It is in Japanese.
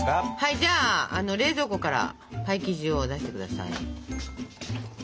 じゃあ冷蔵庫からパイ生地を出して下さい。